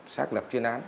xác lập chuyên án